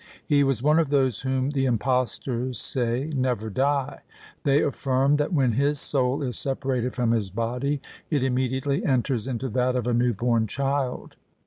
He was one of those whom the impostors say never die. They affirm that when his soul is separated from his body, it irmnedi ately enters into that of a newborn child.